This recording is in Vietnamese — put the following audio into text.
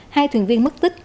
hai thuyền viên mất tích